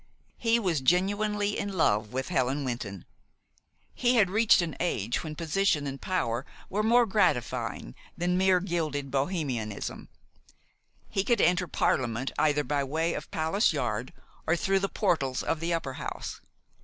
He was genuinely in love with Helen Wynton. He had reached an age when position and power were more gratifying than mere gilded Bohemianism. He could enter Parliament either by way of Palace Yard or through the portals of the Upper House.